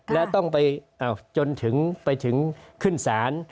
แล้วต้องไปจนถึงขึ้นสาร